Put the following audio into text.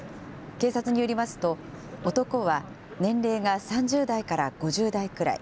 警察によりますと、男は年齢が３０代から５０代くらい。